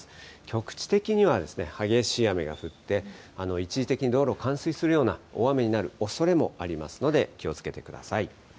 局地的には激しい雨が降って、一時的に道路、冠水するような大雨になるおそれもありますので、気をつけてください。